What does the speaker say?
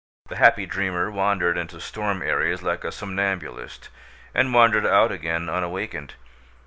The happy dreamer wandered into storm areas like a somnambulist, and wandered out again unawakened.